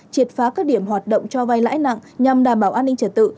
triệt phá các điểm hoạt động cho vai lãi nặng nhằm đảm bảo an ninh trật tự